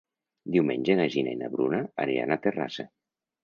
Diumenge na Gina i na Bruna aniran a Terrassa.